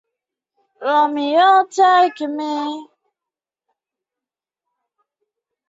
作词及作曲时会使用本名巽明子。